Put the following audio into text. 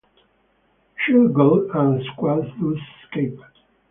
Schigolch and Quast thus escape.